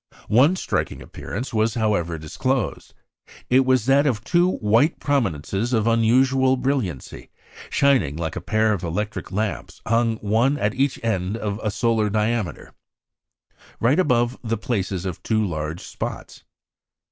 One striking appearance was, however, disclosed. It was that of two "white" prominences of unusual brilliancy, shining like a pair of electric lamps hung one at each end of a solar diameter, right above the places of two large spots.